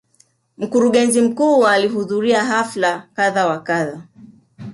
Mkurugenzi mkuu alihudhuria hafla kadha wa kadha.